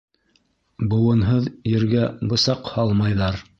Быуынһыҙ ергә бысаҡ һалмайҙар.